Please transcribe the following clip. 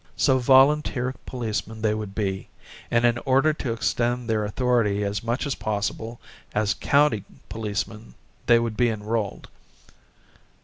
So volunteer policemen they would be and, in order to extend their authority as much as possible, as county policemen they would be enrolled.